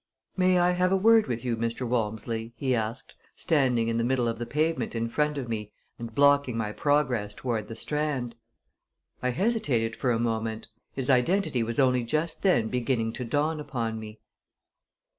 "May I have a word with you, Mr. Walmsley?" he asked, standing in the middle of the pavement in front of me and blocking my progress toward the Strand. I hesitated for a moment. His identity was only just then beginning to dawn upon me.